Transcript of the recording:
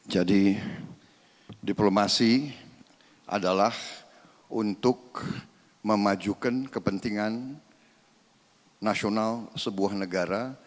jadi diplomasi adalah untuk memajukan kepentingan nasional sebuah negara